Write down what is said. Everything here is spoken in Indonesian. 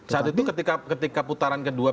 saat itu ketika putaran kedua